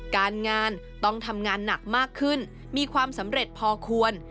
การงานต้องทำงานหนักมากขึ้นมีความสำเร็จพอควร